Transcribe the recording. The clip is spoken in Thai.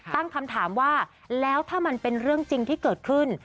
ตั้งคำถามว่าแล้วถ้ามันเป็นเรื่องจริงที่เกิดขึ้น